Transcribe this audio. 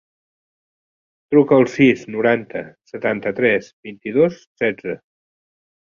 Truca al sis, noranta, setanta-tres, vint-i-dos, setze.